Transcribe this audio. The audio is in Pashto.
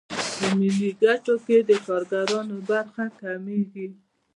په ملي ګټو کې د کارګرانو برخه کمېږي